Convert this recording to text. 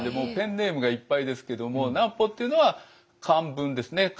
ペンネームがいっぱいですけども南畝っていうのは漢文ですね。